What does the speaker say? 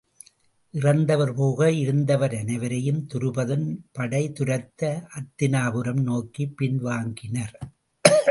இறந்தவர் போக இருந்தவர் அனைவரையும் துருபதன் படை துரத்த அத்தினாபுரம் நோக்கிப் பின்வாங்கினர்.